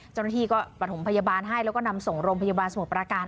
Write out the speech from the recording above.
เจ้าหน้าที่ก็ประถมพยาบาลให้แล้วก็นำส่งโรงพยาบาลสมุทรประการ